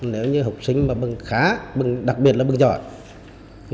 nếu như học sinh mà bưng khá đặc biệt là bưng giỏi